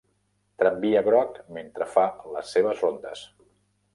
Tramvia groc mentre fa les seves rondes.